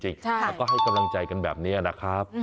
แล้วก็ให้กำลังใจกันแบบนี้นะครับ